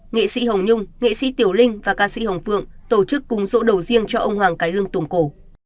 nghệ sĩ hồng nhung nghệ sĩ tiểu linh và ca sĩ hồng phượng tổ chức cung dỗ đầu riêng cho ông hoàng cái lương tùm cổ